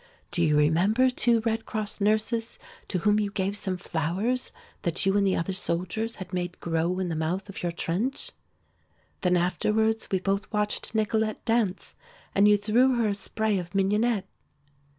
Do you remember two Red Cross nurses to whom you gave some flowers that you and the other soldiers had made grow in the mouth of your trench? Then afterwards we both watched Nicolete dance and you threw her a spray of mignonette?"